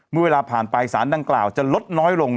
เมื่อเวลาผ่านไปสารดังกล่าวจะลดน้อยลง